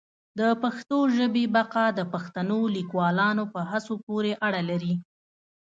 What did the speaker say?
د پښتو ژبي بقا د پښتنو لیکوالانو په هڅو پوري اړه لري.